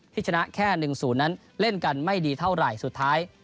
ที่ชนะแค่๑๐นั้นเล่นกันไม่ดีเท่าไหร่สุดท้าย